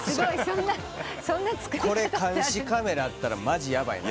これ監視カメラあったらマジヤバい。